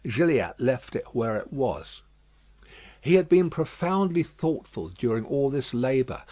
Gilliatt left it where it was. He had been profoundly thoughtful during all this labour.